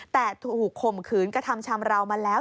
แต่ถูกข่มขืนกระทำชำราวมาแล้ว